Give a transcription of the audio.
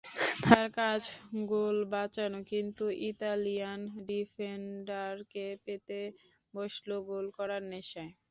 তাঁর কাজ গোল বাঁচানো কিন্তু ইতালিয়ান ডিফেন্ডারকে পেয়ে বসল গোল করার নেশায়।